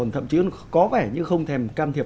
thậm chí có vẻ như không thèm can thiệp